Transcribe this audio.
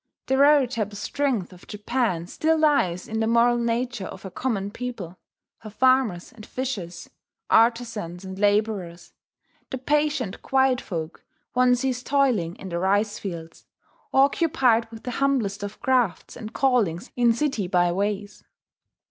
The veritable strength of Japan still lies in the moral nature of her common people, her farmers and fishers, artizans and labourers, the patient quiet folk one sees toiling in the rice fields, or occupied with the humblest of crafts and callings in city by ways.